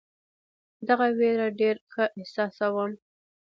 دغه وېره ډېر ښه احساسوم.